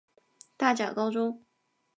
大甲高中